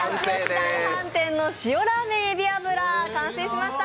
大飯店の塩ラーメンえび油、完成しました。